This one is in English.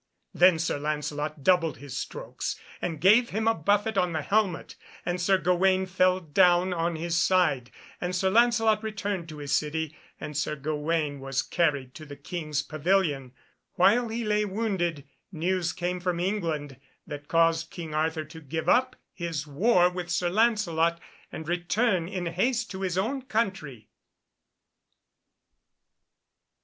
Then Sir Lancelot doubled his strokes, and gave him a buffet on the helmet, and Sir Gawaine fell down on his side. And Sir Lancelot returned to his city, and Sir Gawaine was carried to the King's pavilion. While he lay wounded, news came from England that caused King Arthur to give up his war with Sir Lancelot, and return in haste to his own country.